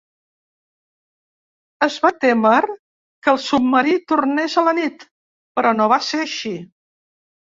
Es va témer que el submarí tornés a la nit, però no va ser així.